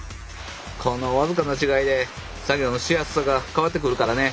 この僅かな違いで作業のしやすさが変わってくるからね。